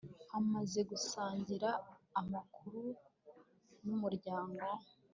hamaze gusangira amakuba n'umuryango